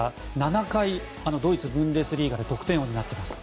７回、ドイツブンデスリーガで得点王になっています。